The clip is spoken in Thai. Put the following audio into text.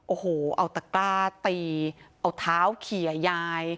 โอ้โหเอาตะกร้าตีเอาเท้าเขียยาย